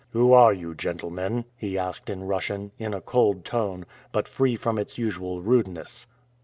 "Who are you, gentlemen?" he asked in Russian, in a cold tone, but free from its usual rudeness.